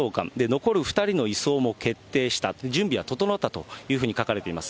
残る２人の移送も決定した、準備は整ったというふうに書かれています。